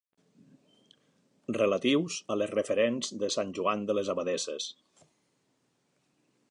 Relatius a les referents de Sant Joan de les Abadesses.